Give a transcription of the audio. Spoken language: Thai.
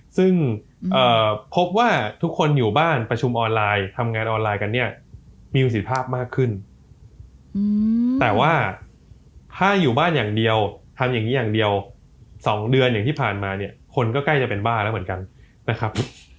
ซึ่งพบว่าทุกคนอยู่บ้านประชุมออนไลน์ทำงานออนไลน์กันเนี่ยมีประสิทธิภาพมากขึ้นแต่ว่าถ้าอยู่บ้านอย่างเดียวทำอย่างนี้อย่างเดียว๒เดือนอย่างที่ผ่านมาเนี่ยคนก็ใกล้จะเป็นบ้าแล้วเหมือนกันนะครับ